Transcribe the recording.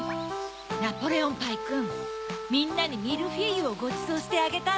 ナポレオンパイくんみんなにミルフィーユをごちそうしてあげたら？